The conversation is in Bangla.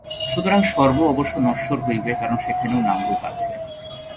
সুতরাং স্বর্গও অবশ্য নশ্বর হইবে, কারণ সেখানেও নাম-রূপ আছে।